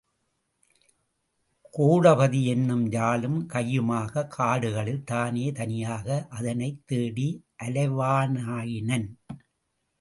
கோடபதி என்னும் யாழும் கையுமாகக் காடுகளில் தானே தனியாக அதனைத் தேடி அலைவானாயினான்.